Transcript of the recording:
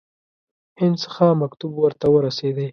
هند څخه مکتوب ورته ورسېدی.